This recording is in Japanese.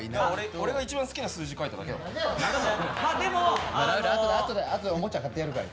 俺が一番好きな数字書いただけだもん。